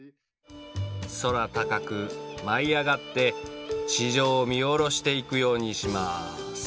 空高く舞い上がって地上を見下ろしていくようにします。